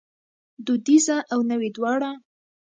دودیزه او نوې دواړه